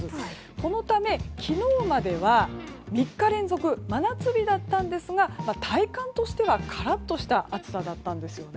このため、昨日までは３日連続で真夏日だったんですが体感としてはカラッとした暑さだったんです。